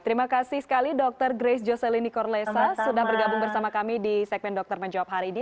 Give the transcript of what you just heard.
terima kasih sekali dr grace jocellini korlesa sudah bergabung bersama kami di segmen dokter menjawab hari ini